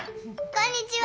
こんにちは。